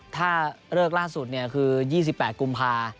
ถ้าเลิกล่าสุดเนี่ยคือ๒๘กุมภาคม